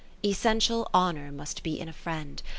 30 VI Essential Honour must be in a friend.